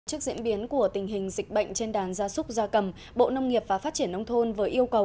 trước diễn biến của tình hình dịch bệnh trên đàn gia súc gia cầm bộ nông nghiệp và phát triển nông thôn vừa yêu cầu